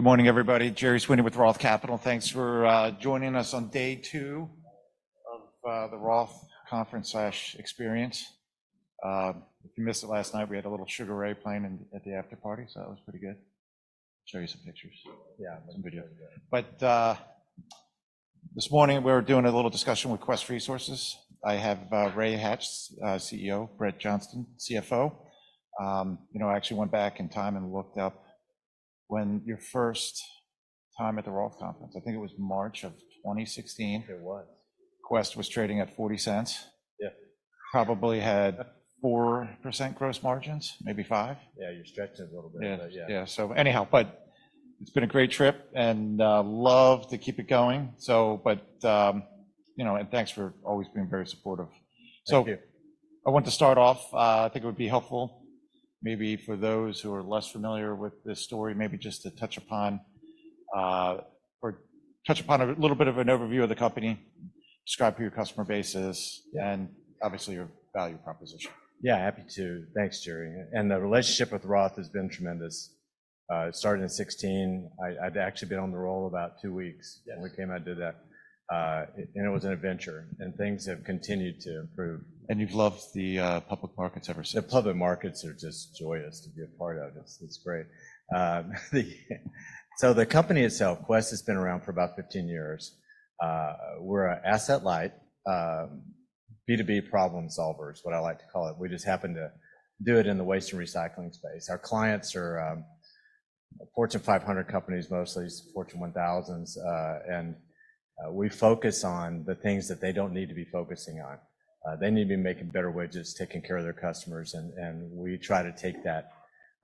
Good morning, everybody. Gerry Sweeney with Roth Capital. Thanks for joining us on day two of the Roth Conference/Experience. If you missed it last night, we had a little Sugar Ray playing at the after-party, so that was pretty good. Show you some pictures. Yeah. Some video. But this morning we're doing a little discussion with Quest Resources. I have Ray Hatch, CEO, Brett Johnston, CFO. You know, I actually went back in time and looked up when your first time at the Roth Conference. I think it was March of 2016. It was. Quest was trading at $0.40. Yeah. Probably had 4% gross margins, maybe 5%. Yeah, you're stretching it a little bit. Yeah. Yeah. Yeah, so anyhow, but it's been a great trip, and, love to keep it going. So, but, you know, and thanks for always being very supportive. So- Thank you. I want to start off, I think it would be helpful, maybe for those who are less familiar with this story, maybe just to touch upon a little bit of an overview of the company, describe your customer base, and obviously, your value proposition. Yeah, happy to. Thanks, Gerry. The relationship with Roth has been tremendous. It started in 2016. I've actually been on the road about two weeks- Yes -when we came out and did that. And it was an adventure, and things have continued to improve. You've loved the public markets ever since. The public markets are just joyous to be a part of this. It's great. So the company itself, Quest, has been around for about 15 years. We're an asset-light B2B problem solver, is what I like to call it. We just happen to do it in the waste and recycling space. Our clients are Fortune 500 companies, mostly Fortune 1000s, and we focus on the things that they don't need to be focusing on. They need to be making better wages, taking care of their customers, and, and we try to take that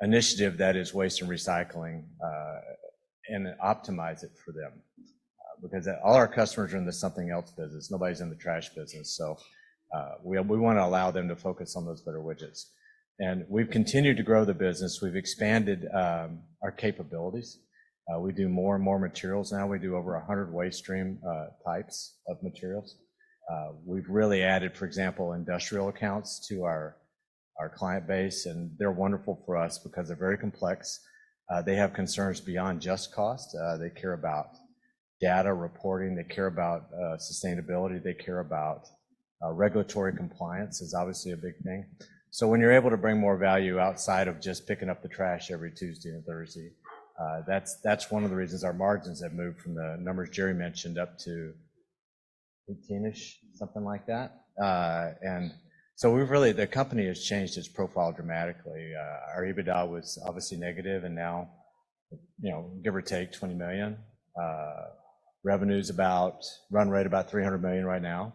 initiative, that is waste and recycling, and optimize it for them. Because all our customers are in the something else business. Nobody's in the trash business, so, we, we want to allow them to focus on those better widgets. We've continued to grow the business. We've expanded our capabilities. We do more and more materials now. We do over 100 waste stream types of materials. We've really added, for example, industrial accounts to our client base, and they're wonderful for us because they're very complex. They have concerns beyond just cost. They care about data reporting, they care about sustainability, they care about regulatory compliance is obviously a big thing. So when you're able to bring more value outside of just picking up the trash every Tuesday and Thursday, that's one of the reasons our margins have moved from the numbers Gerry mentioned, up to 18-ish, something like that. And so we've really, the company has changed its profile dramatically. Our EBITDA was obviously negative, and now, you know, give or take, $20 million. Revenue's about, run rate about $300 million right now,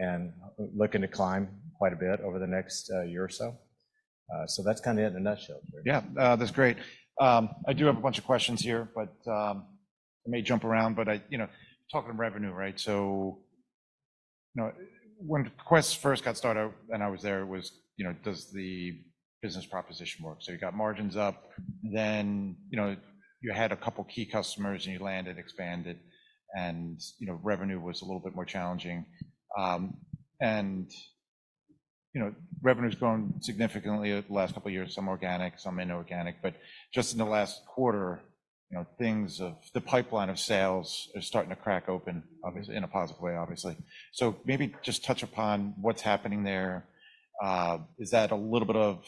and looking to climb quite a bit over the next, year or so. So that's kinda it in a nutshell. Yeah, that's great. I do have a bunch of questions here, but I may jump around, but I, you know, talking of revenue, right? So, you know, when Quest first got started, and I was there, it was, you know, does the business proposition work? So you got margins up, then, you know, you had a couple of key customers, and you landed, expanded, and, you know, revenue was a little bit more challenging. And, you know, revenue's grown significantly over the last couple of years, some organic, some inorganic. But just in the last quarter, you know, things of... the pipeline of sales is starting to crack open, obviously, in a positive way, obviously. So maybe just touch upon what's happening there. Is that a little bit of,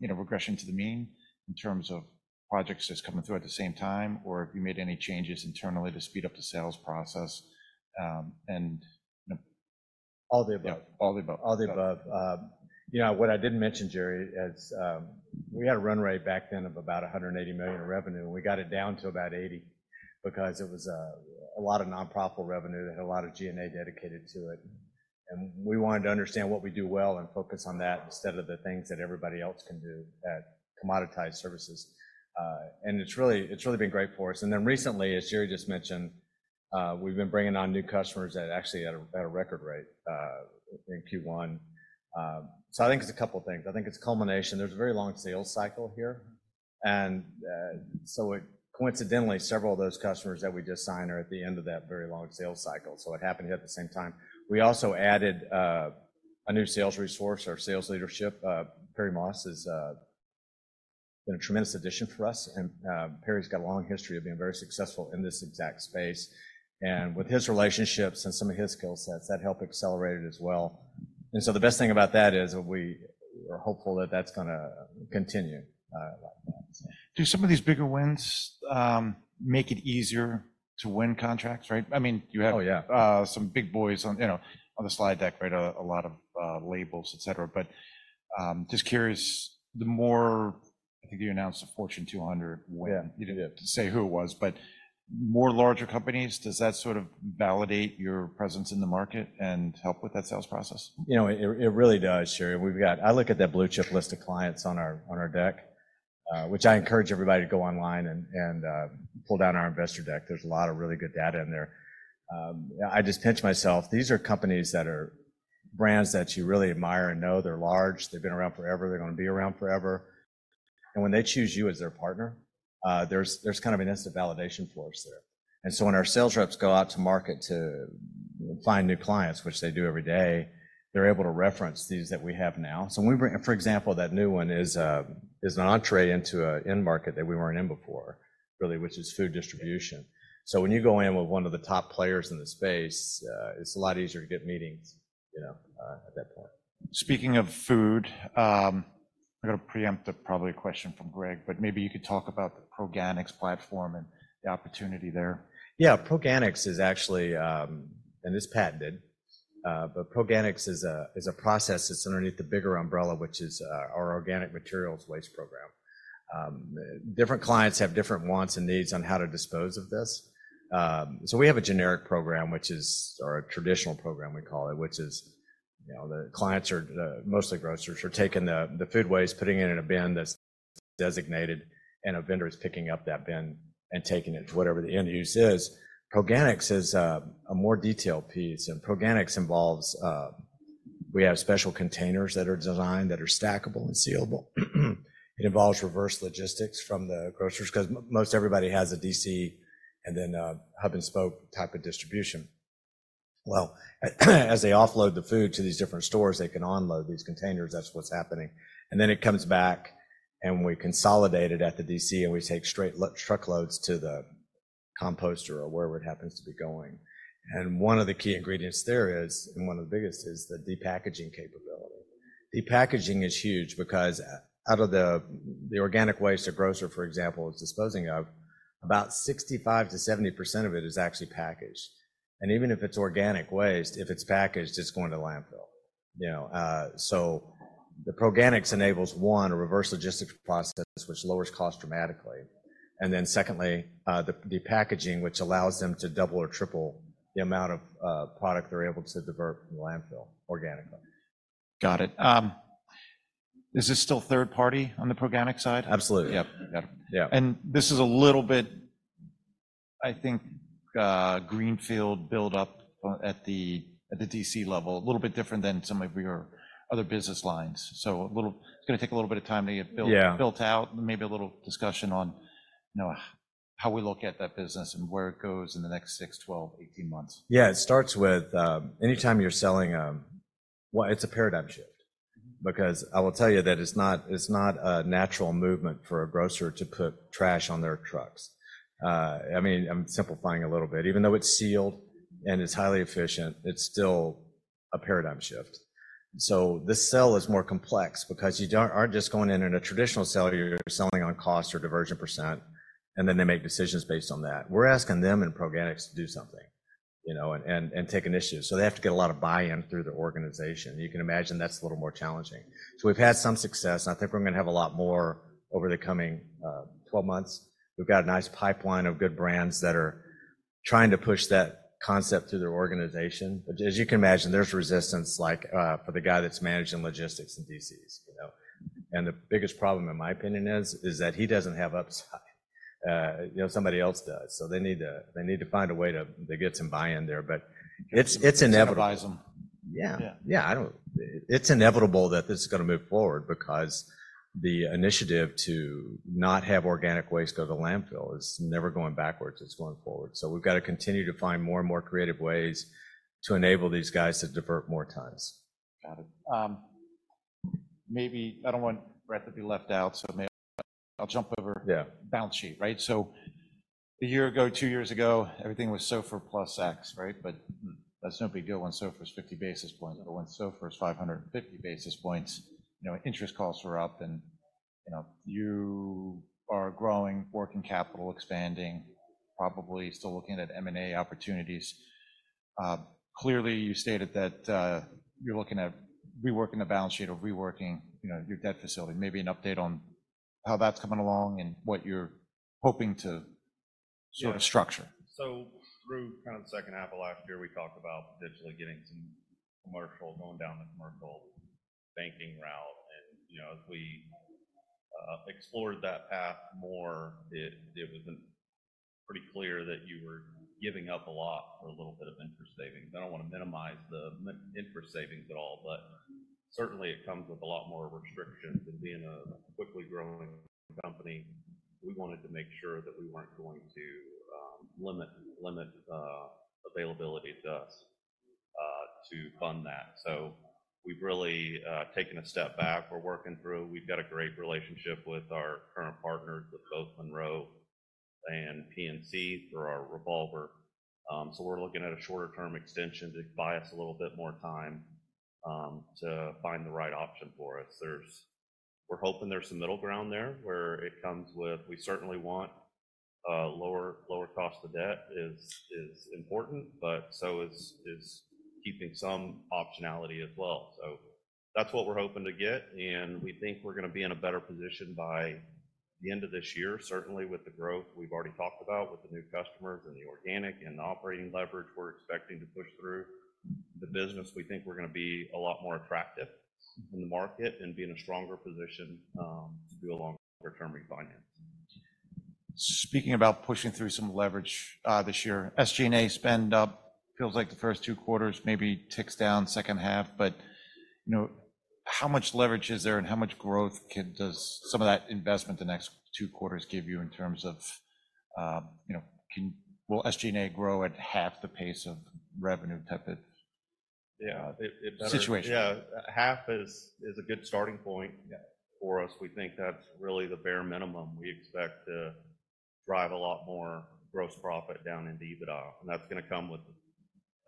you know, regression to the mean in terms of projects just coming through at the same time, or have you made any changes internally to speed up the sales process, and, you know- All the above. All the above. All the above. You know, what I didn't mention, Gerry, is, we had a run rate back then of about $180 million in revenue, and we got it down to about $80 million because it was, a lot of nonprofit revenue and a lot of G&A dedicated to it. And we wanted to understand what we do well and focus on that instead of the things that everybody else can do, that commoditized services. And it's really, it's really been great for us. And then recently, as Gerry just mentioned, we've been bringing on new customers at, actually at a, at a record rate, in Q1. So I think it's a couple of things. I think it's culmination. There's a very long sales cycle here, and so coincidentally, several of those customers that we just signed are at the end of that very long sales cycle, so it happened at the same time. We also added a new sales resource. Our sales leadership, Perry Moss, is been a tremendous addition for us, and Perry's got a long history of being very successful in this exact space. And with his relationships and some of his skill sets, that helped accelerate it as well. And so the best thing about that is we are hopeful that that's gonna continue, like that, so. Do some of these bigger wins make it easier to win contracts, right? I mean, you have- Oh, yeah... some big boys on, you know, on the slide deck, right? A lot of labels, et cetera. But, just curious, the more... I think you announced a Fortune 200 win. Yeah. You didn't have to say who it was, but more larger companies, does that sort of validate your presence in the market and help with that sales process? You know, it really does, Gerry. We've got—I look at that blue chip list of clients on our, on our deck, which I encourage everybody to go online and pull down our investor deck. There's a lot of really good data in there. I just pinch myself. These are companies that are brands that you really admire and know. They're large, they've been around forever, they're gonna be around forever. And when they choose you as their partner, there's kind of an instant validation for us there. And so when our sales reps go out to market to find new clients, which they do every day, they're able to reference these that we have now. So when we bring, for example, that new one is an entry into an end market that we weren't in before, really, which is food distribution. So when you go in with one of the top players in the space, it's a lot easier to get meetings, you know, at that point. Speaking of food, I'm gonna preempt a probably a question from Greg, but maybe you could talk about the Proganics platform and the opportunity there. Yeah, Proganics is actually, and it's patented, but Proganics is a, is a process that's underneath the bigger umbrella, which is, our organic materials waste program. Different clients have different wants and needs on how to dispose of this. So we have a generic program, which is- or a traditional program, we call it, which is, you know, the clients are, mostly grocers, are taking the, the food waste, putting it in a bin that's designated, and a vendor is picking up that bin and taking it to whatever the end use is. Proganics is, a more detailed piece, and Proganics involves, we have special containers that are designed that are stackable and sealable. It involves reverse logistics from the grocers, 'cause most everybody has a DC and then a hub-and-spoke type of distribution. Well, as they offload the food to these different stores, they can onload these containers. That's what's happening. And then it comes back, and we consolidate it at the DC, and we take straight truckloads to the composter or wherever it happens to be going. And one of the key ingredients there is, and one of the biggest, is the depackaging capability. Depackaging is huge because, out of the organic waste, a grocer, for example, is disposing of, about 65%-70% of it is actually packaged. And even if it's organic waste, if it's packaged, it's going to landfill. You know, so the Proganics enables, one, a reverse logistics process, which lowers cost dramatically. And then secondly, the depackaging, which allows them to double or triple the amount of, product they're able to divert from the landfill organically. Got it. Is this still third party on the Proganics side? Absolutely. Yep. Yep. Yeah. This is a little bit, I think, greenfield build up, at the DC level, a little bit different than some of your other business lines. A little- it's gonna take a little bit of time to get built- Yeah... built out, and maybe a little discussion on, you know, how we look at that business and where it goes in the next 6, 12, 18 months. Yeah, it starts with, anytime you're selling... Well, it's a paradigm shift because I will tell you that it's not, it's not a natural movement for a grocer to put trash on their trucks. I mean, I'm simplifying a little bit. Even though it's sealed and it's highly efficient, it's still a paradigm shift. So the sell is more complex because you don't- aren't just going in in a traditional sell, you're selling on cost or diversion %, and then they make decisions based on that. We're asking them in Proganics to do something, you know, and, and, and take an issue. So they have to get a lot of buy-in through the organization. You can imagine that's a little more challenging. So we've had some success, and I think we're gonna have a lot more over the coming, 12 months. We've got a nice pipeline of good brands that are trying to push that concept through their organization. But as you can imagine, there's resistance, like, for the guy that's managing logistics in DCs, you know? The biggest problem, in my opinion, is that he doesn't have upside. You know, somebody else does. So they need to, they need to find a way to, to get some buy-in there, but it's, it's inevitable. Advise them. Yeah. Yeah. Yeah, it's inevitable that this is gonna move forward because the initiative to not have organic waste go to landfill is never going backwards, it's going forward. So we've got to continue to find more and more creative ways to enable these guys to divert more times. Got it. Maybe, I don't want Brett to be left out, so maybe I'll jump over- Yeah... balance sheet, right? So a year ago, two years ago, everything was SOFR plus X, right? But that's no big deal when SOFR is 50 basis points, or when SOFR is 550 basis points. You know, interest costs are up and, you know, you are growing, working capital expanding, probably still looking at M&A opportunities. Clearly, you stated that you're looking at reworking the balance sheet or reworking, you know, your debt facility. Maybe an update on how that's coming along and what you're hoping to sort of structure. So through kind of the second half of last year, we talked about potentially getting some commercial, going down the commercial banking route. And, you know, as we explored that path more, it was pretty clear that you were giving up a lot for a little bit of interest savings. I don't want to minimize the interest savings at all, but certainly it comes with a lot more restrictions. And being a quickly growing company, we wanted to make sure that we weren't going to limit availability to us to fund that. So we've really taken a step back. We're working through. We've got a great relationship with our current partners, with both Monroe and PNC for our revolver. So we're looking at a shorter-term extension to buy us a little bit more time to find the right option for us. We're hoping there's some middle ground there, where it comes with... We certainly want lower, lower cost of debt is important, but so is keeping some optionality as well. So that's what we're hoping to get, and we think we're gonna be in a better position by the end of this year. Certainly, with the growth we've already talked about, with the new customers and the organic and the operating leverage we're expecting to push through the business, we think we're gonna be a lot more attractive in the market and be in a stronger position to do a longer-term refinance. Speaking about pushing through some leverage, this year, SG&A spend up, feels like the first two quarters maybe ticks down second half. But, you know, how much leverage is there and how much growth does some of that investment the next two quarters give you in terms of, you know, will SG&A grow at half the pace of revenue type of- Yeah, it better- Situation. Yeah, half is a good starting point- Yeah for us. We think that's really the bare minimum. We expect to drive a lot more gross profit down into EBITDA, and that's gonna come with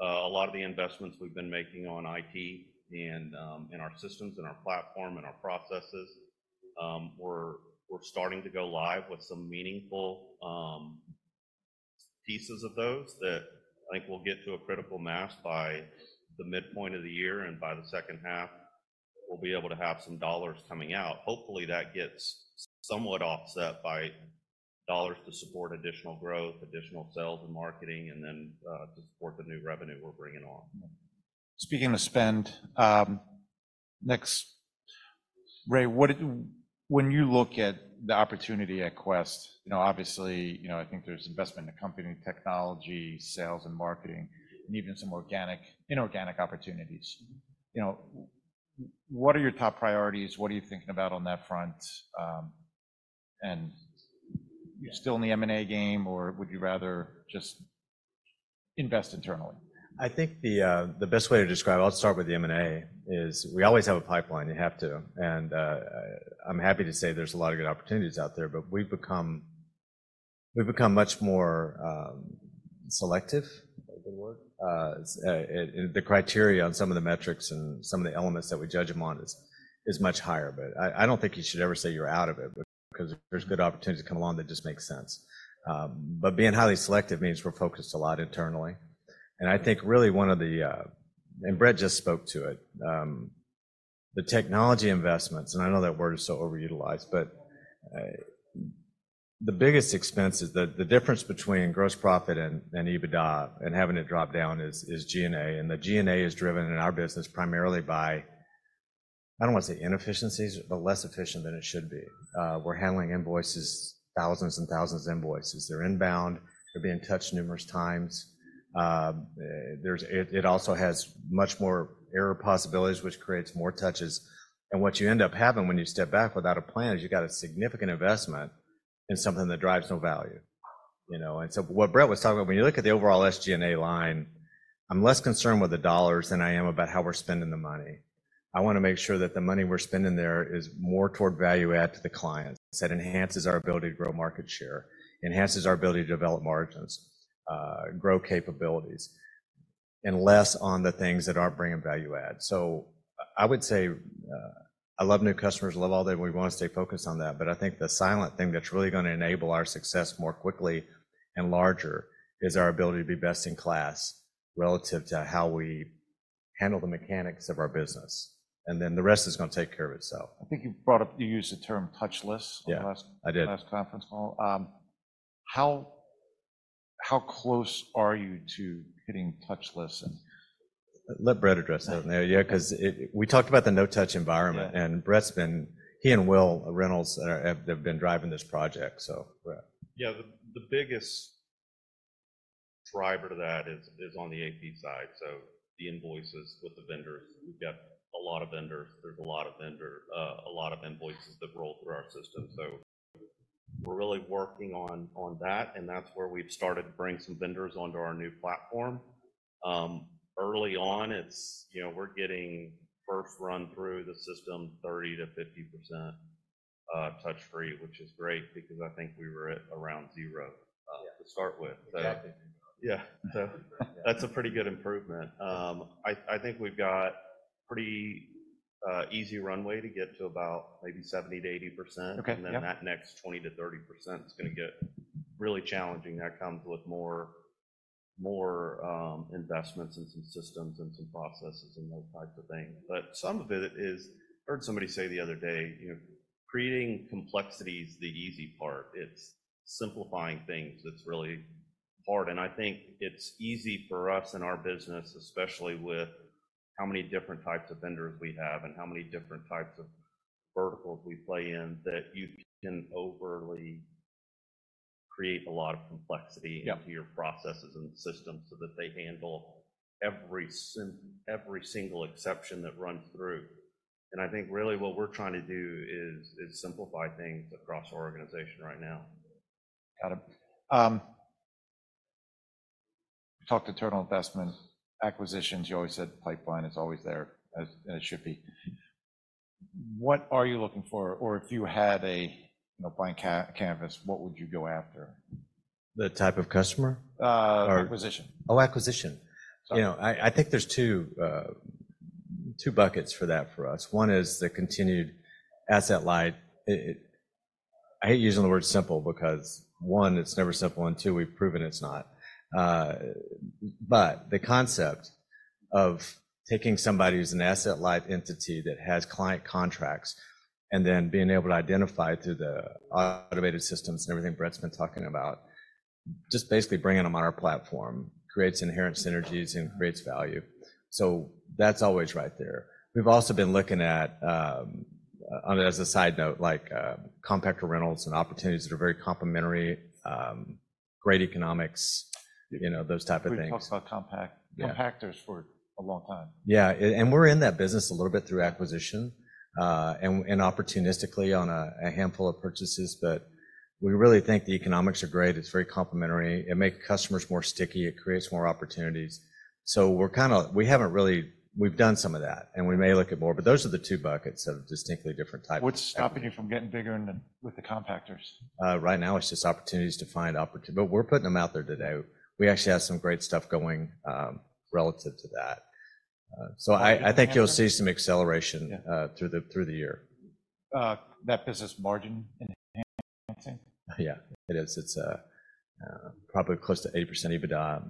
a lot of the investments we've been making on IT, and in our systems, in our platform, in our processes. We're starting to go live with some meaningful pieces of those that I think will get to a critical mass by the midpoint of the year, and by the second half, we'll be able to have some dollars coming out. Hopefully, that gets somewhat offset by dollars to support additional growth, additional sales and marketing, and then to support the new revenue we're bringing on. Speaking of spend, next, Ray, when you look at the opportunity at Quest, you know, obviously, you know, I think there's investment in the company, technology, sales, and marketing, and even some organic, inorganic opportunities. You know, what are your top priorities? What are you thinking about on that front, and- Yeah. You're still in the M&A game, or would you rather just invest internally? I think the best way to describe it, I'll start with the M&A, is we always have a pipeline. You have to. And, I'm happy to say there's a lot of good opportunities out there, but we've become, we've become much more selective, is the word. And, and the criteria on some of the metrics and some of the elements that we judge them on is, is much higher. But I, I don't think you should ever say you're out of it, but 'cause there's good opportunities to come along that just make sense. But being highly selective means we're focused a lot internally. And I think really one of the... And Brett just spoke to it, the technology investments, and I know that word is so overutilized, but the biggest expense is the difference between gross profit and EBITDA, and having it drop down is G&A, and the G&A is driven in our business primarily by, I don't want to say inefficiencies, but less efficient than it should be. We're handling invoices, thousands and thousands of invoices. They're inbound, they're being touched numerous times. It also has much more error possibilities, which creates more touches. And what you end up having when you step back without a plan is you got a significant investment in something that drives no value, you know? And so what Brett was talking about, when you look at the overall SG&A line, I'm less concerned with the dollars than I am about how we're spending the money. I wanna make sure that the money we're spending there is more toward value add to the clients, that enhances our ability to grow market share, enhances our ability to develop margins, grow capabilities, and less on the things that aren't bringing value add. So I would say, I love new customers, love all that, we wanna stay focused on that, but I think the silent thing that's really gonna enable our success more quickly and larger is our ability to be best in class relative to how we handle the mechanics of our business, and then the rest is gonna take care of itself. I think you brought up, you used the term touchless- Yeah, I did. in the last conference call. How close are you to getting touchless, and...? Let Brett address that one there. Yeah, 'cause it, we talked about the no-touch environment. Yeah. Brett's been... He and Will Reynolds have been driving this project. So, Brett. Yeah, the biggest driver to that is on the AP side, so the invoices with the vendors. We've got a lot of vendors. There's a lot of vendors, a lot of invoices that roll through our system. So we're really working on that, and that's where we've started to bring some vendors onto our new platform. Early on, you know, we're getting first run through the system 30%-50% touch-free, which is great because I think we were at around zero- Yeah to start with. Exactly. Yeah. So that's a pretty good improvement. I think we've got pretty easy runway to get to about maybe 70%-80%. Okay. Yep. Then that next 20%-30% is gonna get really challenging. That comes with more, more, investments in some systems and some processes and those types of things. But some of it is, I heard somebody say the other day, you know, creating complexity is the easy part. It's simplifying things that's really hard. And I think it's easy for us in our business, especially with how many different types of vendors we have and how many different types of verticals we play in, that you can overly create a lot of complexity- Yep... into your processes and systems so that they handle every scenario, every single exception that runs through. And I think really what we're trying to do is simplify things across our organization right now. Got it. Talk internal investment, acquisitions. You always said the pipeline is always there, as it should be. What are you looking for? Or if you had a, you know, blank canvas, what would you go after? The type of customer? Uh, acquisition. Oh, acquisition. Sorry. You know, I think there's two buckets for that for us. One is the continued asset-light. I hate using the word simple, because one, it's never simple, and two, we've proven it's not. But the concept of taking somebody who's an asset-light entity that has client contracts, and then being able to identify through the automated systems and everything Brett's been talking about, just basically bringing them on our platform creates inherent synergies and creates value. So that's always right there. We've also been looking at, as a side note, like, compactor rentals and opportunities that are very complementary, great economics, you know, those type of things. We've talked about compact- Yeah. -compactors for a long time. Yeah, and we're in that business a little bit through acquisition, and opportunistically on a handful of purchases, but we really think the economics are great. It's very complementary. It makes customers more sticky, it creates more opportunities. So we're kind of... We haven't really-- we've done some of that, and we may look at more, but those are the two buckets of distinctly different types. What's stopping you from getting bigger in the, with the compactors? Right now it's just opportunities to find opportunities. But we're putting them out there today. We actually have some great stuff going, relative to that. So I think you'll see some acceleration- Yeah... through the year. That business margin enhancing? Yeah, it is. It's probably close to 80% EBITDA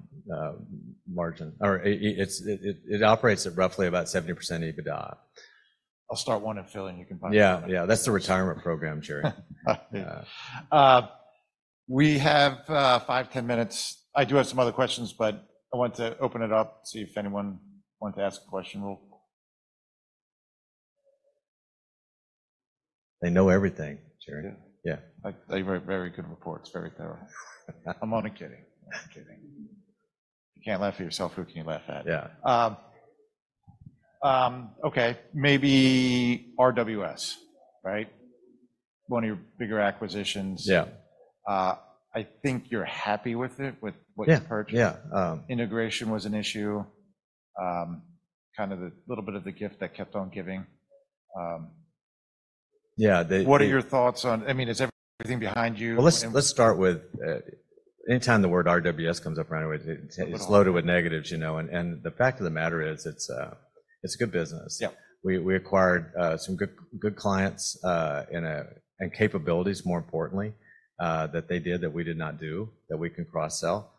margin, or it operates at roughly about 70% EBITDA. I'll start one and fill in, you can buy. Yeah, yeah, that's the retirement program, Gerry. Yeah. We have 5, 10 minutes. I do have some other questions, but I want to open it up, see if anyone want to ask a question. They know everything, Gerry. Yeah. Yeah. Like, they write very good reports, very thorough. I'm only kidding. I'm kidding. You can't laugh at yourself, who can you laugh at? Yeah. Okay, maybe RWS, right? One of your bigger acquisitions. Yeah. I think you're happy with it, with what you- Yeah, yeah. - purchased. Integration was an issue, kind of the little bit of the gift that kept on giving. Yeah, they- What are your thoughts on... I mean, is everything behind you? Well, let's start with, anytime the word RWS comes up right away, it's loaded with negatives, you know, and the fact of the matter is, it's a good business. Yeah. We acquired some good clients and capabilities, more importantly, that they did that we did not do, that we can cross-sell.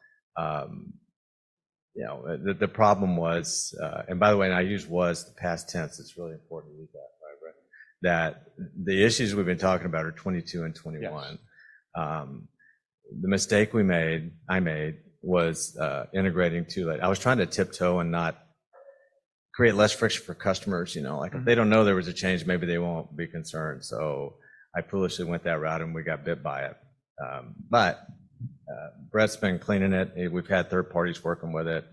You know, the problem was... And by the way, and I use was the past tense, it's really important to leave that, right? That the issues we've been talking about are 22 and 21. Yes. The mistake we made, I made, was integrating too late. I was trying to tiptoe and not create less friction for customers, you know? Mm. Like, they don't know there was a change, maybe they won't be concerned. So I foolishly went that route, and we got bit by it. Brett's been cleaning it, and we've had third parties working with it.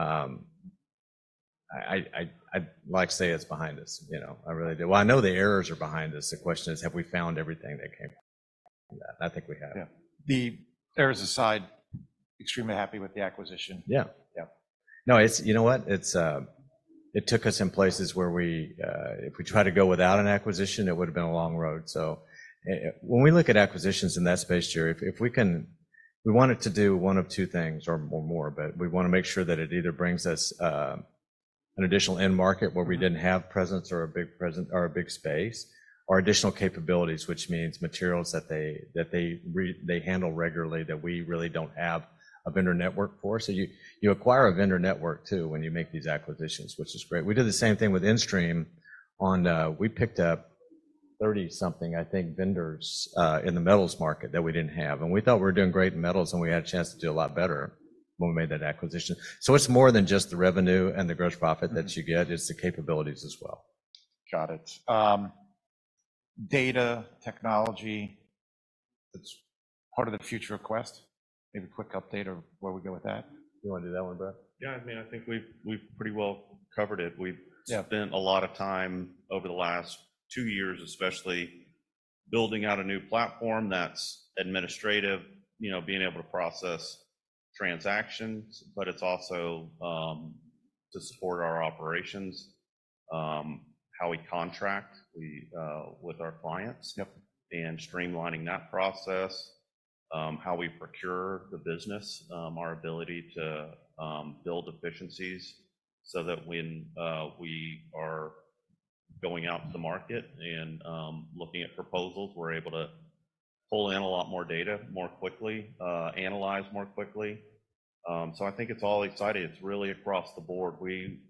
I'd like to say it's behind us, you know. I really do. Well, I know the errors are behind us. The question is, have we found everything that came? I think we have. Yeah. The errors aside, extremely happy with the acquisition. Yeah. Yeah. No, it's, you know what? It's, it took us in places where we, if we tried to go without an acquisition, it would have been a long road. So, when we look at acquisitions in that space, Gerry, if we can—we want it to do one of two things or more, but we want to make sure that it either brings us, an additional end market where we didn't have presence or a big presence or a big space, or additional capabilities, which means materials that they, that they re—they handle regularly that we really don't have a vendor network for. So you, you acquire a vendor network too when you make these acquisitions, which is great. We did the same thing with InStream on, we picked up 30-something, I think, vendors, in the metals market that we didn't have, and we thought we were doing great in metals, and we had a chance to do a lot better when we made that acquisition. So it's more than just the revenue and the gross profit that you get. It's the capabilities as well. Got it. Data technology, that's part of the future of Quest. Maybe a quick update of where we go with that. You want to do that one, Brett? Yeah, I mean, I think we've pretty well covered it. Yeah. We've spent a lot of time over the last two years, especially building out a new platform that's administrative, you know, being able to process transactions, but it's also to support our operations, how we contract with our clients. Yep. Streamlining that process, how we procure the business, our ability to build efficiencies so that when we are going out to the market and looking at proposals, we're able to pull in a lot more data, more quickly, analyze more quickly. So I think it's all exciting. It's really across the board. We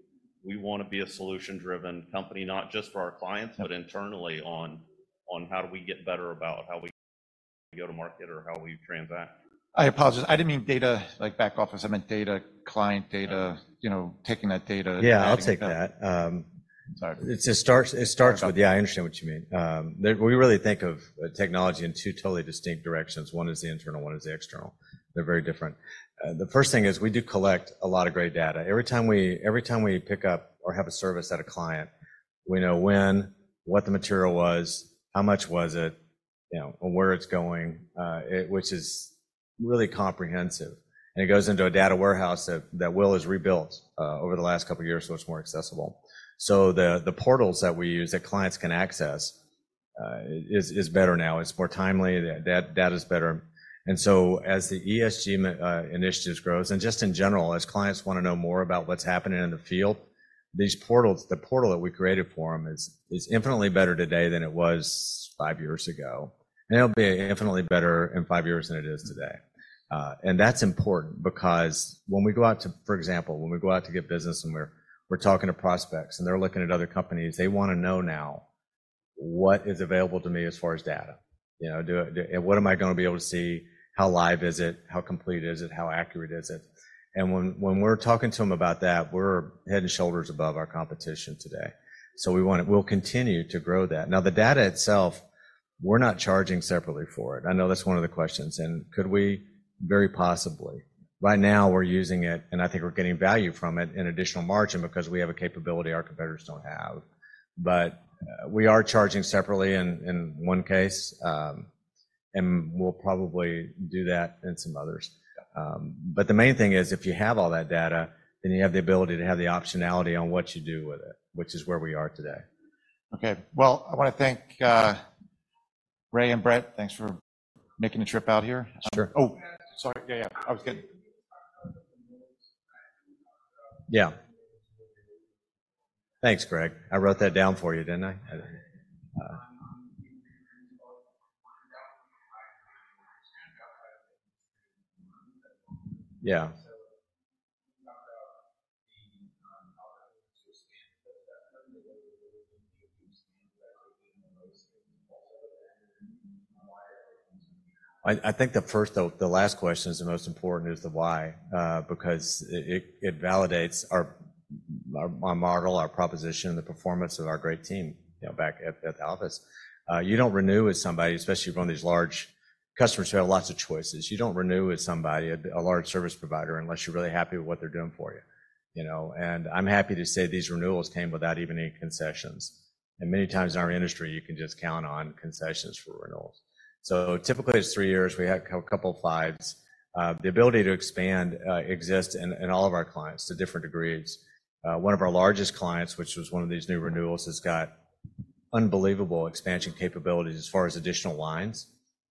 want to be a solution-driven company, not just for our clients, but internally on how do we get better about how we go to market or how we transact. I apologize. I didn't mean data, like back office. I meant data, client data- Okay. - you know, taking that data. Yeah, I'll take that. Sorry. It just starts with... Yeah, I understand what you mean. We really think of technology in two totally distinct directions. One is the internal, one is the external. They're very different. The first thing is we do collect a lot of great data. Every time we pick up or have a service at a client, we know when, what the material was, how much was it, you know, where it's going, which is really comprehensive, and it goes into a data warehouse that Will has rebuilt over the last couple of years, so it's more accessible. So the portals that we use, that clients can access, is better now. It's more timely, the data is better. And so as the ESG initiatives grows, and just in general, as clients want to know more about what's happening in the field, these portals, the portal that we created for them is, is infinitely better today than it was five years ago, and it'll be infinitely better in five years than it is today. And that's important because when we go out to, for example, when we go out to get business and we're, we're talking to prospects, and they're looking at other companies, they want to know now: what is available to me as far as data? You know, do I, what am I going to be able to see? How live is it? How complete is it? How accurate is it? And when, when we're talking to them about that, we're head and shoulders above our competition today. So we want to. We'll continue to grow that. Now, the data itself, we're not charging separately for it. I know that's one of the questions, and could we? Very possibly. Right now, we're using it, and I think we're getting value from it and additional margin because we have a capability our competitors don't have. But, we are charging separately in one case, and we'll probably do that in some others. But the main thing is if you have all that data, then you have the ability to have the optionality on what you do with it, which is where we are today. Okay, well, I want to thank Ray and Brett. Thanks for making the trip out here. Sure. Oh, sorry. Yeah, yeah, I was getting- Yeah. Thanks, Greg. I wrote that down for you, didn't I? Yeah. I think the first—the last question is the most important is the why. Because it validates our model, our proposition, and the performance of our great team, you know, back at the office. You don't renew with somebody, especially one of these large customers who have lots of choices. You don't renew with somebody, a large service provider, unless you're really happy with what they're doing for you. You know, and I'm happy to say these renewals came without even any concessions. And many times in our industry, you can just count on concessions for renewals. So typically, it's three years. We had a couple of slides. The ability to expand exists in all of our clients to different degrees. One of our largest clients, which was one of these new renewals, has got unbelievable expansion capabilities as far as additional lines.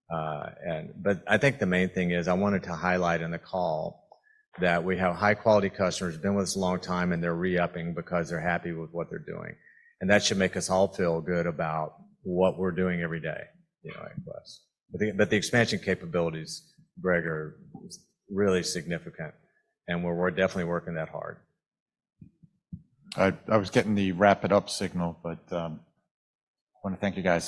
But I think the main thing is, I wanted to highlight in the call that we have high-quality customers who've been with us a long time, and they're re-upping because they're happy with what they're doing, and that should make us all feel good about what we're doing every day, you know, at Quest. But the expansion capabilities, Greg, are really significant, and we're definitely working that hard. I was getting the wrap it up signal, but I want to thank you guys.